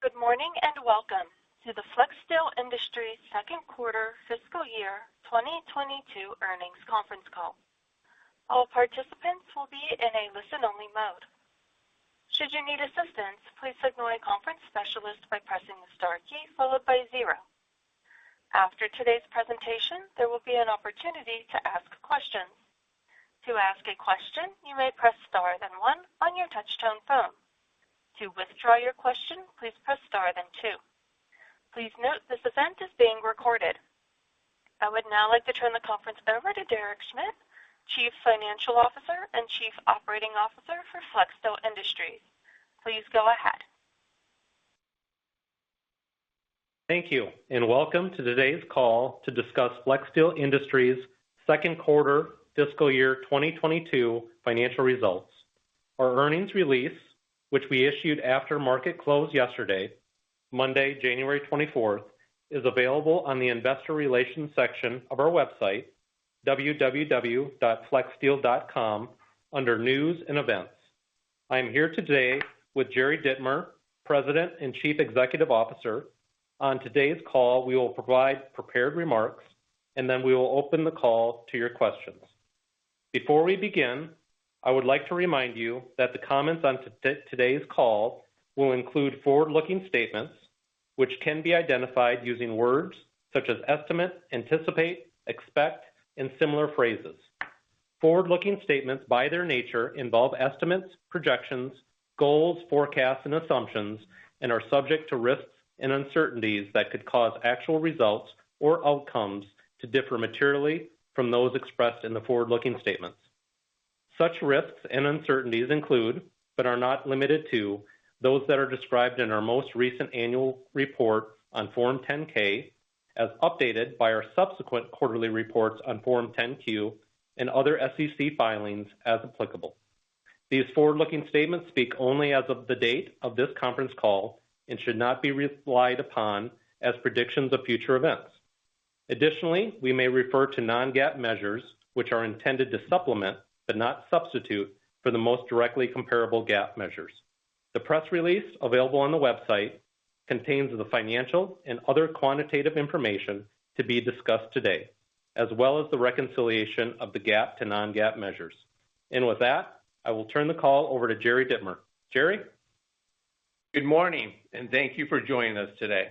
Good morning, and welcome to the Flexsteel Industries second quarter fiscal year 2022 earnings conference call. All participants will be in a listen-only mode. Should you need assistance, please signal a conference specialist by pressing the star key followed by 0. After today's presentation, there will be an opportunity to ask questions. To ask a question, you may press star then one on your touchtone phone. To withdraw your question, please press star then two. Please note this event is being recorded. I would now like to turn the conference over to Derek Schmidt, Chief Financial Officer and Chief Operating Officer for Flexsteel Industries. Please go ahead. Thank you, and welcome to today's call to discuss Flexsteel Industries' second quarter fiscal year 2022 financial results. Our earnings release, which we issued after market close yesterday, Monday, January 24, is available on the investor relations section of our website, www.flexsteel.com, under News and Events. I am here today with Jerry Dittmer, President and Chief Executive Officer. On today's call, we will provide prepared remarks, and then we will open the call to your questions. Before we begin, I would like to remind you that the comments on today's call will include forward-looking statements, which can be identified using words such as estimate, anticipate, expect, and similar phrases. Forward-looking statements, by their nature, involve estimates, projections, goals, forecasts, and assumptions, and are subject to risks and uncertainties that could cause actual results or outcomes to differ materially from those expressed in the forward-looking statements. Such risks and uncertainties include, but are not limited to, those that are described in our most recent annual report on Form 10-K as updated by our subsequent quarterly reports on Form 10-Q and other SEC filings as applicable. These forward-looking statements speak only as of the date of this conference call and should not be relied upon as predictions of future events. Additionally, we may refer to non-GAAP measures, which are intended to supplement, but not substitute, for the most directly comparable GAAP measures. The press release available on the website contains the financial and other quantitative information to be discussed today, as well as the reconciliation of the GAAP to non-GAAP measures. With that, I will turn the call over to Jerry Dittmer. Jerry? Good morning, and thank you for joining us today.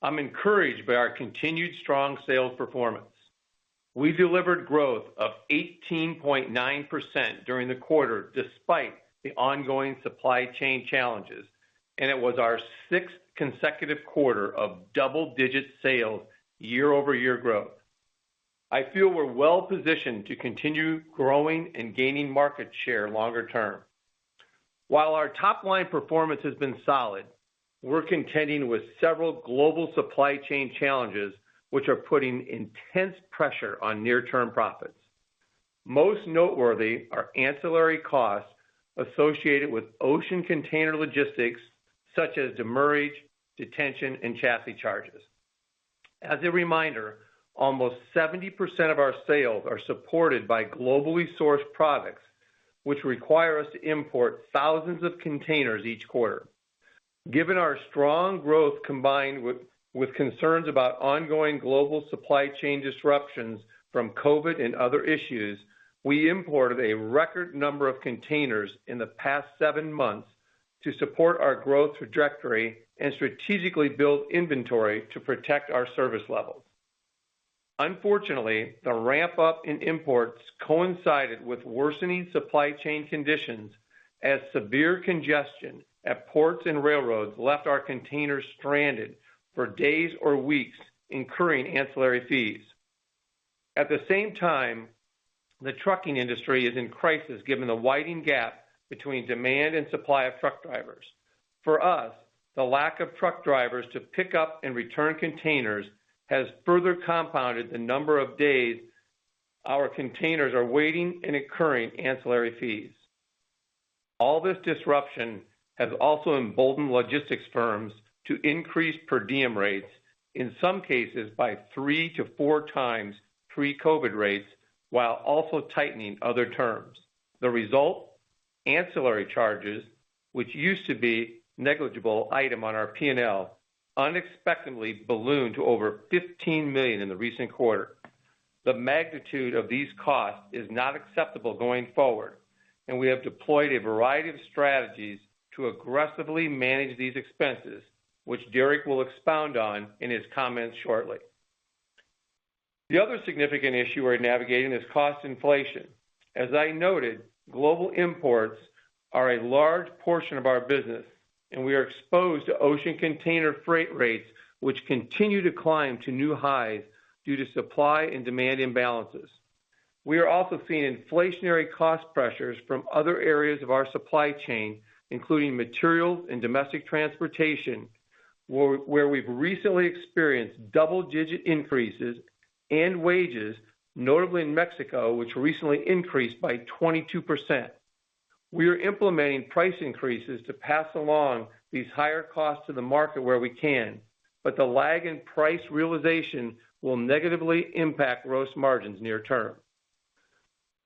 I'm encouraged by our continued strong sales performance. We delivered growth of 18.9% during the quarter despite the ongoing supply chain challenges, and it was our sixth consecutive quarter of double-digit sales year-over-year growth. I feel we're well-positioned to continue growing and gaining market share longer term. While our top-line performance has been solid, we're contending with several global supply chain challenges which are putting intense pressure on near-term profits. Most noteworthy are ancillary costs associated with ocean container logistics, such as demurrage, detention, and chassis charges. As a reminder, almost 70% of our sales are supported by globally sourced products, which require us to import thousands of containers each quarter. Given our strong growth combined with concerns about ongoing global supply chain disruptions from COVID and other issues, we imported a record number of containers in the past seven months to support our growth trajectory and strategically build inventory to protect our service level. Unfortunately, the ramp-up in imports coincided with worsening supply chain conditions as severe congestion at ports and railroads left our containers stranded for days or weeks, incurring ancillary fees. At the same time, the trucking industry is in crisis given the widening gap between demand and supply of truck drivers. For us, the lack of truck drivers to pick up and return containers has further compounded the number of days our containers are waiting and incurring ancillary fees. All this disruption has also emboldened logistics firms to increase per diem rates, in some cases by three to 4 times pre-COVID rates, while also tightening other terms. The result, ancillary charges, which used to be negligible item on our P&L, unexpectedly ballooned to over $15 million in the recent quarter. The magnitude of these costs is not acceptable going forward, and we have deployed a variety of strategies to aggressively manage these expenses, which Derek will expound on in his comments shortly. The other significant issue we're navigating is cost inflation. As I noted, global imports are a large portion of our business, and we are exposed to ocean container freight rates, which continue to climb to new highs due to supply and demand imbalances. We are also seeing inflationary cost pressures from other areas of our supply chain, including materials and domestic transportation, where we've recently experienced double-digit increases in wages, notably in Mexico, which recently increased by 22%. We are implementing price increases to pass along these higher costs to the market where we can, but the lag in price realization will negatively impact gross margins near term.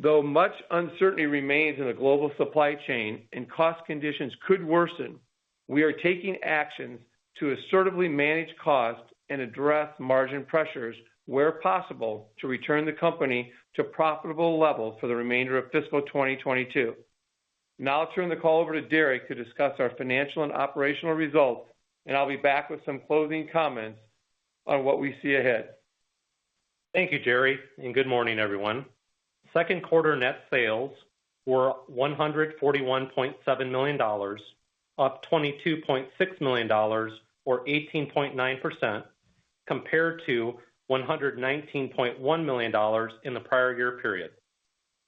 Though much uncertainty remains in the global supply chain and cost conditions could worsen, we are taking action to assertively manage costs and address margin pressures where possible to return the company to profitable levels for the remainder of fiscal 2022. Now I'll turn the call over to Derek to discuss our financial and operational results, and I'll be back with some closing comments on what we see ahead. Thank you, Jerry, and good morning, everyone. Second quarter net sales were $141.7 million, up $22.6 million or 18.9% compared to $119.1 million in the prior year period.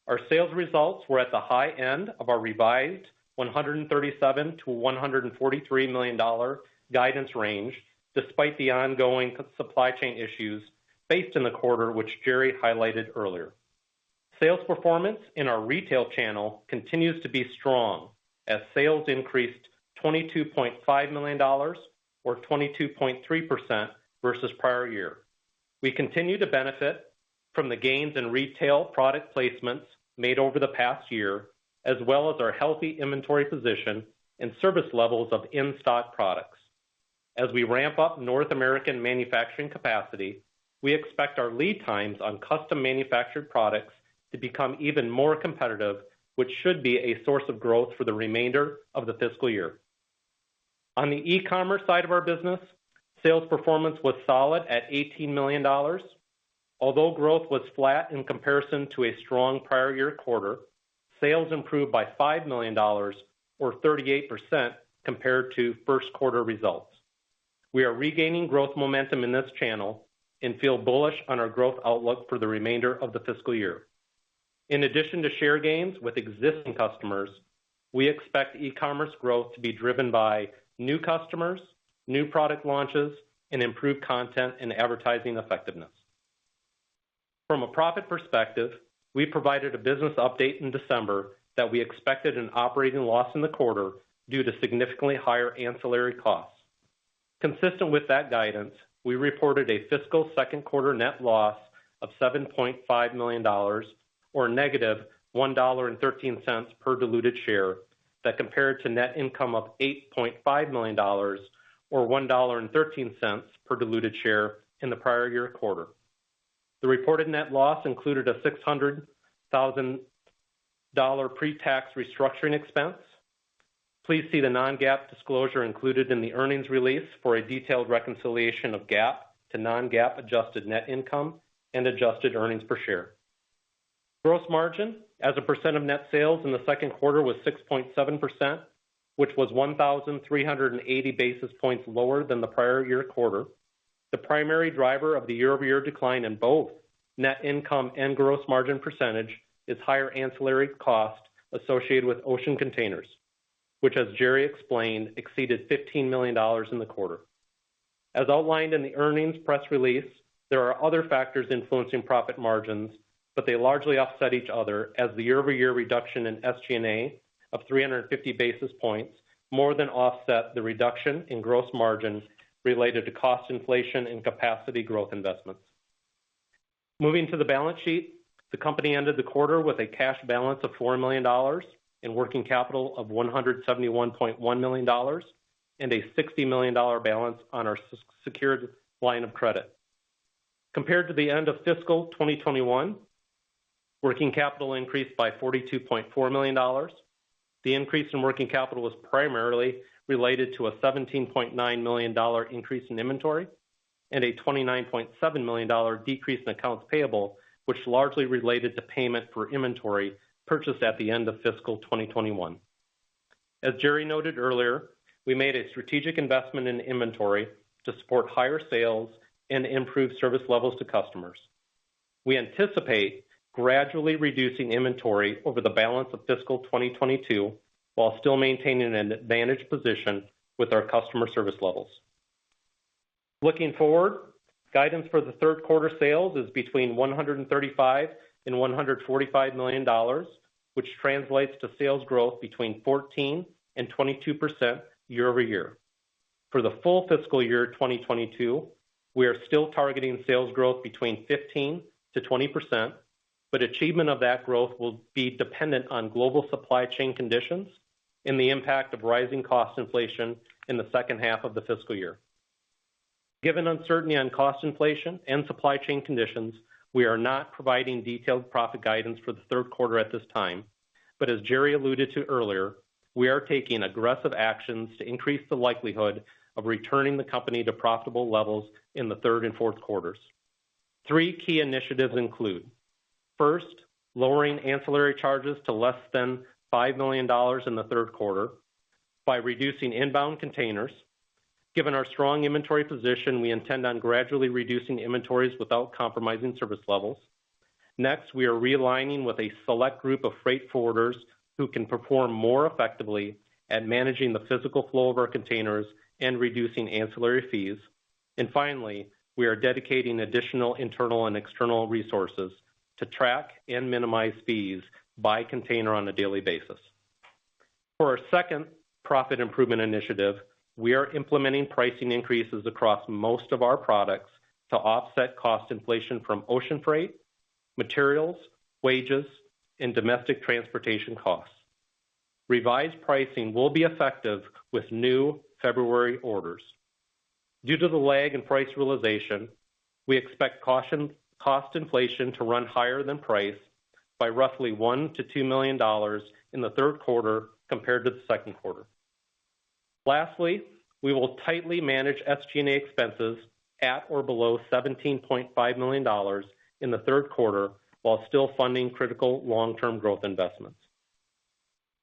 Our sales results were at the high end of our revised $137 million-$143 million guidance range, despite the ongoing supply chain issues faced in the quarter, which Jerry highlighted earlier. Sales performance in our retail channel continues to be strong as sales increased $22.5 million or 22.3% versus prior year. We continue to benefit from the gains in retail product placements made over the past year, as well as our healthy inventory position and service levels of in-stock products. As we ramp up North American manufacturing capacity, we expect our lead times on custom manufactured products to become even more competitive, which should be a source of growth for the remainder of the fiscal year. On the e-commerce side of our business, sales performance was solid at $18 million. Although growth was flat in comparison to a strong prior year quarter, sales improved by $5 million or 38% compared to first quarter results. We are regaining growth momentum in this channel and feel bullish on our growth outlook for the remainder of the fiscal year. In addition to share gains with existing customers, we expect e-commerce growth to be driven by new customers, new product launches, and improved content and advertising effectiveness. From a profit perspective, we provided a business update in December that we expected an operating loss in the quarter due to significantly higher ancillary costs. Consistent with that guidance, we reported a fiscal second quarter net loss of $7.5 million or -$1.13 per diluted share. That compared to net income of $8.5 million or $1.13 per diluted share in the prior year quarter. The reported net loss included a $600,000 pre-tax restructuring expense. Please see the non-GAAP disclosure included in the earnings release for a detailed reconciliation of GAAP to non-GAAP adjusted net income and adjusted earnings per share. Gross margin as a percent of net sales in the second quarter was 6.7%, which was 1,380 basis points lower than the prior year quarter. The primary driver of the year-over-year decline in both net income and gross margin percentage is higher ancillary costs associated with ocean containers, which, as Jerry explained, exceeded $15 million in the quarter. As outlined in the earnings press release, there are other factors influencing profit margins, but they largely offset each other as the year-over-year reduction in SG&A of 350 basis points more than offset the reduction in gross margins related to cost inflation and capacity growth investments. Moving to the balance sheet, the company ended the quarter with a cash balance of $4 million and working capital of $171.1 million, and a $60 million balance on our secured line of credit. Compared to the end of fiscal 2021, working capital increased by $42.4 million. The increase in working capital was primarily related to a $17.9 million increase in inventory and a $29.7 million decrease in accounts payable, which largely related to payment for inventory purchased at the end of fiscal 2021. As Jerry noted earlier, we made a strategic investment in inventory to support higher sales and improve service levels to customers. We anticipate gradually reducing inventory over the balance of fiscal 2022, while still maintaining an advantage position with our customer service levels. Looking forward, guidance for the third quarter sales is between $135 million and $145 million, which translates to sales growth between 14% and 22% year-over-year. For the full fiscal year 2022, we are still targeting sales growth between 15%-20%, but achievement of that growth will be dependent on global supply chain conditions and the impact of rising cost inflation in the second half of the fiscal year. Given uncertainty on cost inflation and supply chain conditions, we are not providing detailed profit guidance for the third quarter at this time. As Jerry alluded to earlier, we are taking aggressive actions to increase the likelihood of returning the company to profitable levels in the third and fourth quarters. Three key initiatives include, first, lowering ancillary charges to less than $5 million in the third quarter by reducing inbound containers. Given our strong inventory position, we intend on gradually reducing inventories without compromising service levels. Next, we are realigning with a select group of freight forwarders who can perform more effectively at managing the physical flow of our containers and reducing ancillary fees. Finally, we are dedicating additional internal and external resources to track and minimize fees by container on a daily basis. For our second profit improvement initiative, we are implementing pricing increases across most of our products to offset cost inflation from ocean freight, materials, wages, and domestic transportation costs. Revised pricing will be effective with new February orders. Due to the lag in price realization, we expect cost inflation to run higher than price by roughly $1 million-$2 million in the third quarter compared to the second quarter. Lastly, we will tightly manage SG&A expenses at or below $17.5 million in the third quarter, while still funding critical long-term growth investments.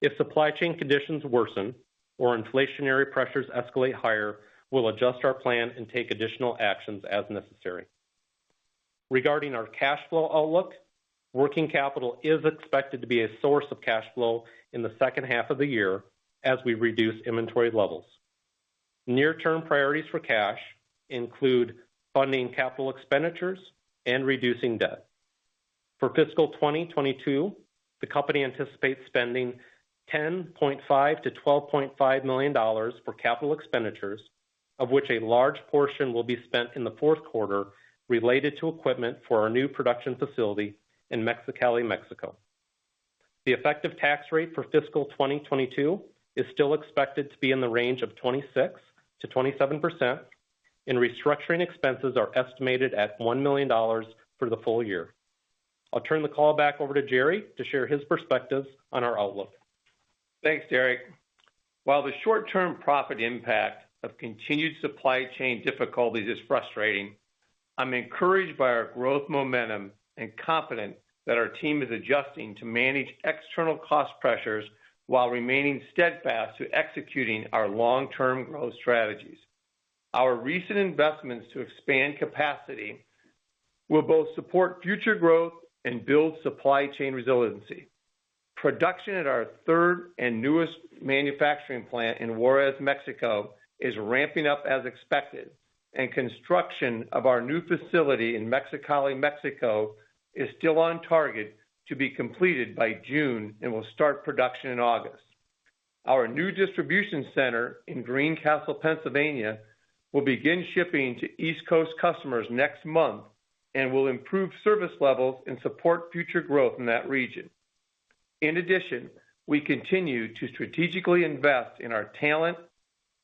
If supply chain conditions worsen or inflationary pressures escalate higher, we'll adjust our plan and take additional actions as necessary. Regarding our cash flow outlook, working capital is expected to be a source of cash flow in the second half of the year as we reduce inventory levels. Near-term priorities for cash include funding capital expenditures and reducing debt. For fiscal 2022, the company anticipates spending $10.5 million-$12.5 million for capital expenditures, of which a large portion will be spent in the fourth quarter related to equipment for our new production facility in Mexicali, Mexico. The effective tax rate for fiscal 2022 is still expected to be in the range of 26%-27%, and restructuring expenses are estimated at $1 million for the full year. I'll turn the call back over to Jerry to share his perspective on our outlook. Thanks, Derek. While the short-term profit impact of continued supply chain difficulties is frustrating, I'm encouraged by our growth momentum and confident that our team is adjusting to manage external cost pressures while remaining steadfast to executing our long-term growth strategies. Our recent investments to expand capacity will both support future growth and build supply chain resiliency. Production at our third and newest manufacturing plant in Juárez, Mexico, is ramping up as expected, and construction of our new facility in Mexicali, Mexico, is still on target to be completed by June and will start production in August. Our new distribution center in Greencastle, Pennsylvania, will begin shipping to East Coast customers next month and will improve service levels and support future growth in that region. In addition, we continue to strategically invest in our talent,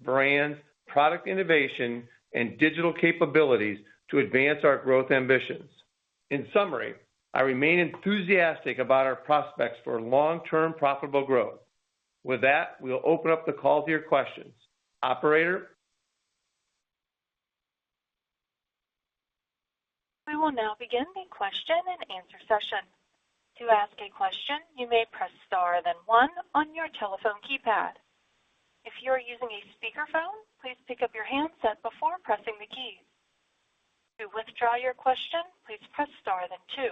brands, product innovation, and digital capabilities to advance our growth ambitions. In summary, I remain enthusiastic about our prospects for long-term profitable growth. With that, we'll open up the call to your questions. Operator? We will now begin the question-and-answer session. To ask a question, you may press star, then one on your telephone keypad. If you are using a speakerphone, please pick up your handset before pressing the key. To withdraw your question, please press star, then two.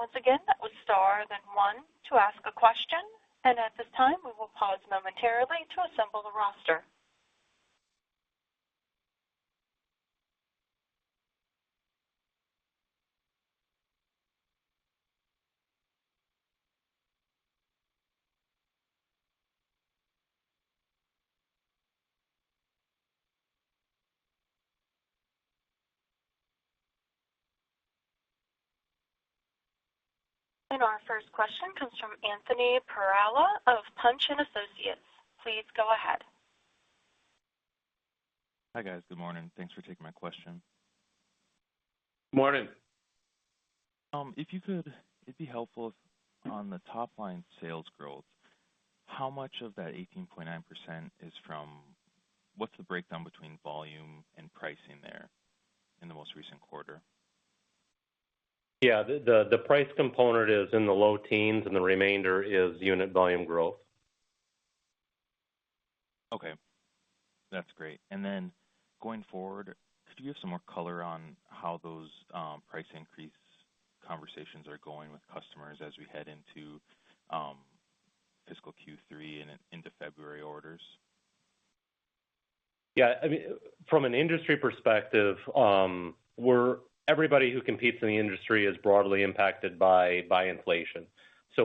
Once again, that was star, then one to ask a question. At this time, we will pause momentarily to assemble the roster. Our first question comes from Anthony Perala of Punch & Associates. Please go ahead. Hi, guys. Good morning. Thanks for taking my question. Morning. If you could, it'd be helpful if on the top line sales growth, how much of that 18.9% is from? What's the breakdown between volume and pricing there in the most recent quarter? Yeah. The price component is in the low teens, and the remainder is unit volume growth. Okay. That's great. Going forward, could you give some more color on how those price increase conversations are going with customers as we head into fiscal Q3 and into February orders? Yeah. I mean, from an industry perspective, everybody who competes in the industry is broadly impacted by inflation.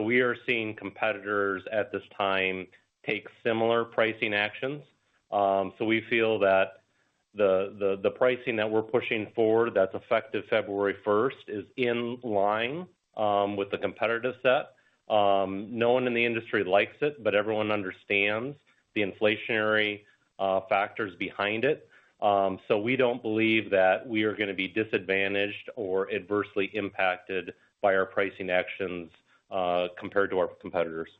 We are seeing competitors at this time take similar pricing actions. We feel that the pricing that we're pushing forward that's effective February first is in line with the competitor set. No one in the industry likes it, but everyone understands the inflationary factors behind it. We don't believe that we are gonna be disadvantaged or adversely impacted by our pricing actions compared to our competitors.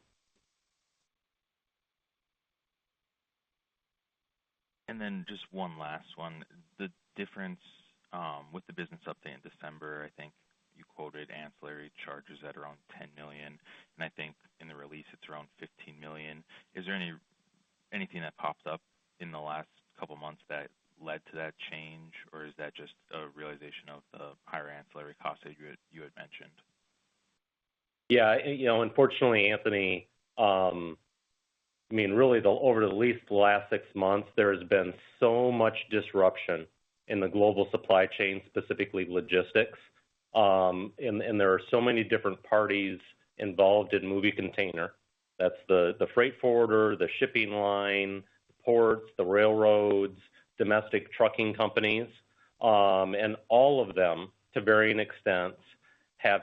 Then just one last one. The difference with the business update in December, I think you quoted ancillary charges at around $10 million, and I think in the release it's around $15 million. Is there anything that popped up in the last couple months that led to that change, or is that just a realization of the higher ancillary costs that you had mentioned? Yeah. You know, unfortunately, Anthony, I mean, really, over at least the last six months, there has been so much disruption in the global supply chain, specifically logistics. There are so many different parties involved in moving a container. That's the freight forwarder, the shipping line, ports, the railroads, domestic trucking companies. All of them, to varying extents, have,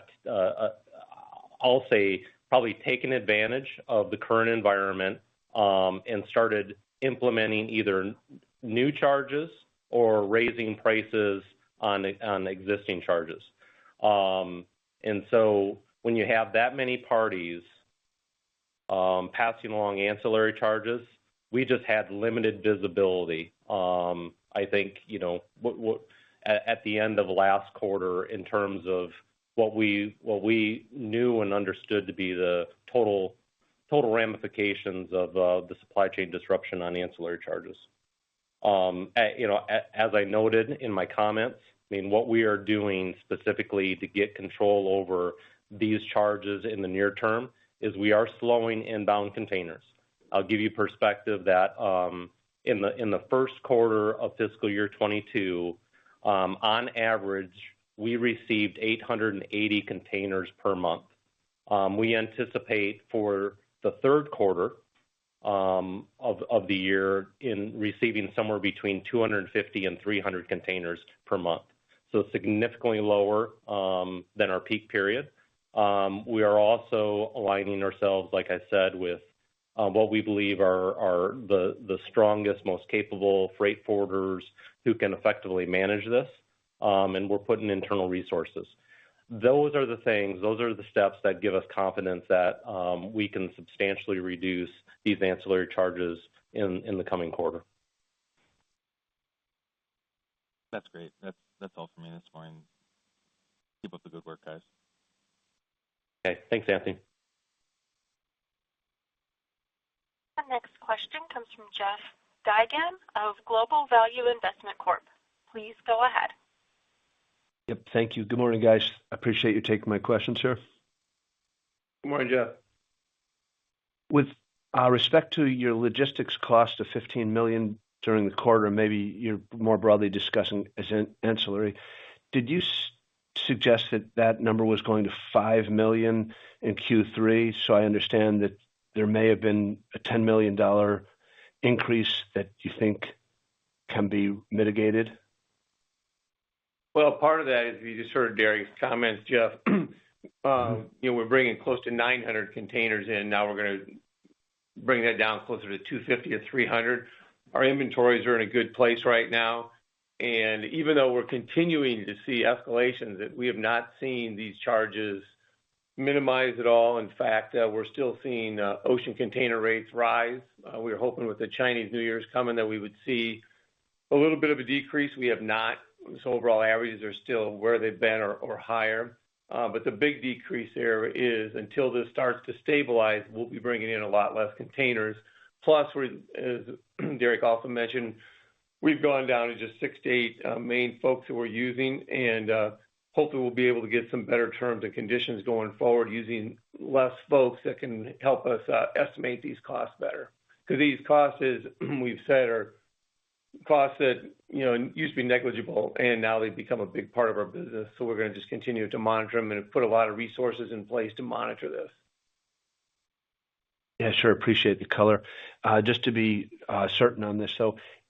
I'll say, probably taken advantage of the current environment, and started implementing either new charges or raising prices on existing charges. When you have that many parties passing along ancillary charges, we just had limited visibility. I think, you know, at the end of last quarter in terms of what we knew and understood to be the total ramifications of the supply chain disruption on ancillary charges. You know, as I noted in my comments, I mean, what we are doing specifically to get control over these charges in the near term is we are slowing inbound containers. I'll give you perspective that in the first quarter of fiscal year 2022, on average, we received 880 containers per month. We anticipate for the third quarter of the year in receiving somewhere between 250 and 300 containers per month. So significantly lower than our peak period. We are also aligning ourselves, like I said, with what we believe are the strongest, most capable freight forwarders who can effectively manage this. And we're putting internal resources. Those are the things, those are the steps that give us confidence that we can substantially reduce these ancillary charges in the coming quarter. That's great. That's all for me this morning. Keep up the good work, guys. Okay. Thanks, Anthony. The next question comes from Jeff Geygan of Global Value Investment Corp. Please go ahead. Yep, thank you. Good morning, guys. I appreciate you taking my questions here. Good morning, Jeff. With respect to your logistics cost of $15 million during the quarter, maybe you're more broadly discussing as an ancillary, did you suggest that number was going to $5 million in Q3? I understand that there may have been a $10 million increase that you think can be mitigated. Well, part of that is, you just heard Derek's comments, Jeff. You know, we're bringing close to 900 containers in. Now we're gonna bring that down closer to 250 or 300 containers. Our inventories are in a good place right now. Even though we're continuing to see escalations, that we have not seen these charges minimize at all. In fact, we're still seeing ocean container rates rise. We're hoping with the Chinese New Year coming that we would see a little bit of a decrease. We have not. Overall averages are still where they've been or higher. The big decrease here is until this starts to stabilize, we'll be bringing in a lot less containers. Plus, we're, as Derek also mentioned, we've gone down to just six to eight main folks who are using and hopefully we'll be able to get some better terms and conditions going forward using less folks that can help us estimate these costs better. 'Cause these costs, as we've said, are costs that, you know, used to be negligible, and now they've become a big part of our business, so we're gonna just continue to monitor them and put a lot of resources in place to monitor this. Yeah, sure. Appreciate the color. Just to be certain on this.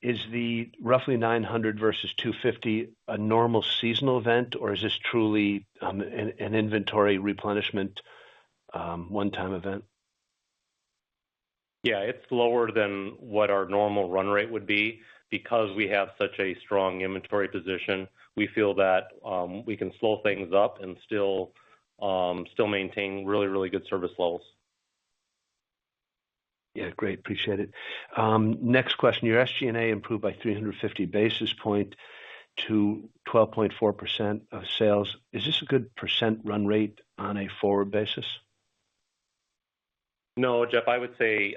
Is the roughly 900 containers versus 250 containers a normal seasonal event, or is this truly an inventory replenishment one-time event? Yeah, it's lower than what our normal run rate would be. Because we have such a strong inventory position, we feel that we can slow things up and still maintain really, really good service levels. Yeah, great. Appreciate it. Next question. Your SG&A improved by 350 basis points to 12.4% of sales. Is this a good percent run rate on a forward basis? No, Jeff. I would say,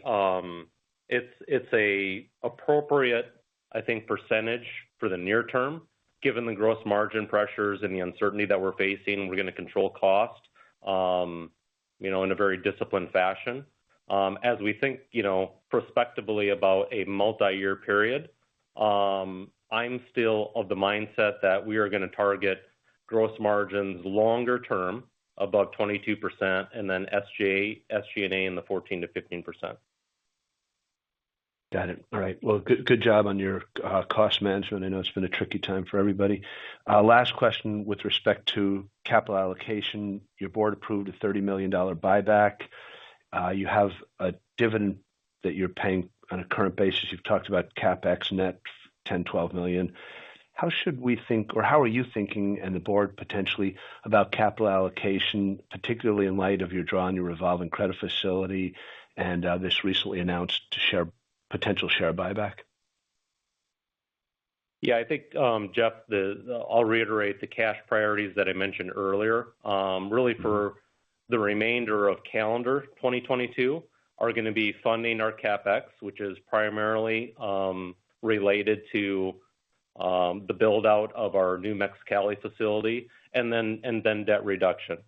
it's an appropriate, I think, percentage for the near term, given the gross margin pressures and the uncertainty that we're facing. We're gonna control cost, you know, in a very disciplined fashion. As we think, you know, prospectively about a multi-year period, I'm still of the mindset that we are gonna target gross margins longer term, above 22% and then SG&A in the 14%-15%. Got it. All right. Well, good job on your cost management. I know it's been a tricky time for everybody. Last question with respect to capital allocation. Your board approved a $30 million buyback. You have a dividend that you're paying on a current basis. You've talked about CapEx net $10million-$12 million. How should we think or how are you thinking and the board potentially about capital allocation, particularly in light of your drawing your revolving credit facility and this recently announced potential share buyback? Yeah, I think, Jeff, I'll reiterate the cash priorities that I mentioned earlier. Really for the remainder of calendar 2022 are gonna be funding our CapEx, which is primarily related to the build-out of our new Mexicali facility and then debt reduction.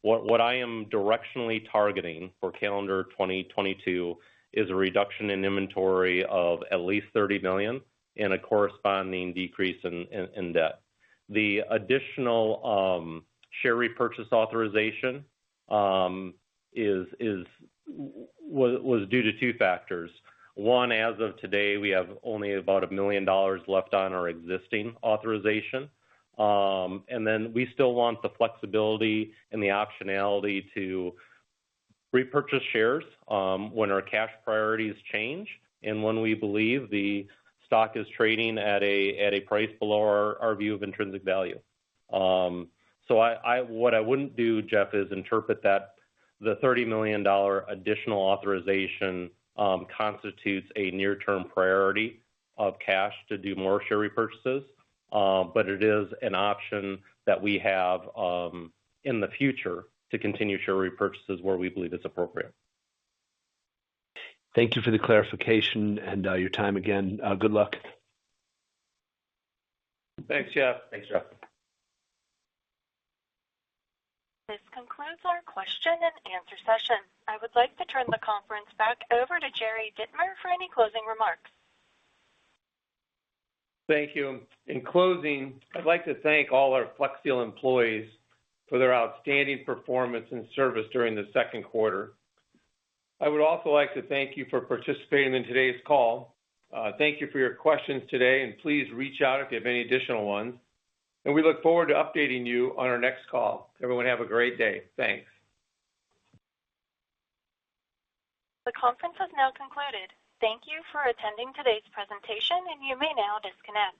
What I am directionally targeting for calendar 2022 is a reduction in inventory of at least $30 million and a corresponding decrease in debt. The additional share repurchase authorization was due to two factors. One, as of today, we have only about $1 million left on our existing authorization. And then we still want the flexibility and the optionality to repurchase shares, when our cash priorities change and when we believe the stock is trading at a price below our view of intrinsic value. What I wouldn't do, Jeff, is interpret that the $30 million additional authorization constitutes a near-term priority of cash to do more share repurchases. It is an option that we have in the future to continue share repurchases where we believe it's appropriate. Thank you for the clarification and, your time again. Good luck. Thanks, Jeff. Thanks, Jeff. This concludes our question and answer session. I would like to turn the conference back over to Jerry Dittmer for any closing remarks. Thank you. In closing, I'd like to thank all our Flexsteel employees for their outstanding performance and service during the second quarter. I would also like to thank you for participating in today's call. Thank you for your questions today, and please reach out if you have any additional ones. We look forward to updating you on our next call. Everyone, have a great day. Thanks. The conference has now concluded. Thank you for attending today's presentation, and you may now disconnect.